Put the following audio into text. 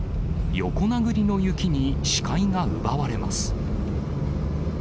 横殴りの雪に視界が奪われます。